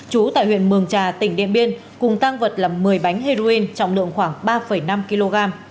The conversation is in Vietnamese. chú tại huyện mường trà tỉnh điện biên cùng tang vật là một mươi bánh heroin trọng lượng khoảng ba năm kg